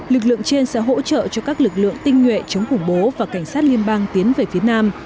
lực lượng trên sẽ hỗ trợ cho các lực lượng tinh nhuệ chống khủng bố và cảnh sát liên bang tiến về phía nam